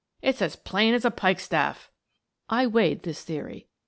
It's as plain as a pikestaff." I weighed this theory.